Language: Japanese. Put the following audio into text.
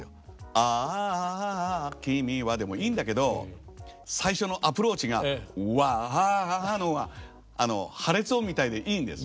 「あああああ君は」でもいいんだけど最初のアプローチが「わああ」の方が破裂音みたいでいいんです。